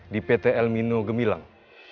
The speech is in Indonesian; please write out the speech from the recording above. di pt elmino gemilang